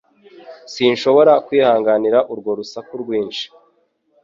Sinshobora kwihanganira urwo rusaku rwinshi.